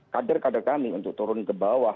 kader kader kami untuk turun ke bawah